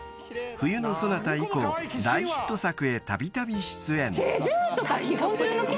［『冬のソナタ』以降大ヒット作へたびたび出演］